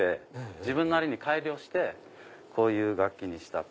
自分なりに改良してこういう楽器にした。